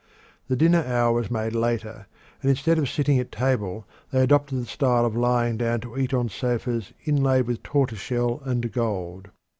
The dinner hour was made later, and instead of sitting at table they adopted the style of lying down to eat on sofas inlaid with tortoiseshell and gold.